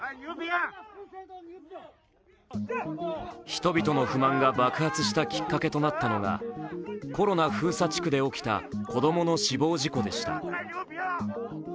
人々の不満が爆発したきっかけとなったのがコロナ封鎖地区で起きた子供の死亡事故でした。